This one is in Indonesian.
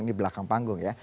ini belakang panggung ya